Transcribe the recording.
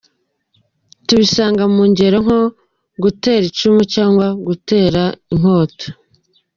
Tubisanga mu ngero nko gutera icumu cyangwa gutera inkota.